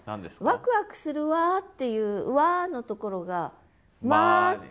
「わくわくするわー」っていう「わー」のところが「まー」って。